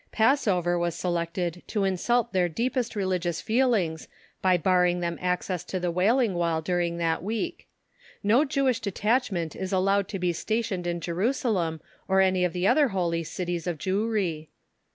Passover was selected to insult their deepest religious feelings, by barring them access to the Wailing Wall during that week. No Jewish detachment is allowed to be stationed in Jerusalem or any of the other Holy Cities of Jewry.